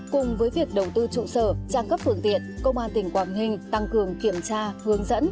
cùng với việc đầu tư trụ sở trang cấp phương tiện công an tỉnh quảng ninh tăng cường kiểm tra hướng dẫn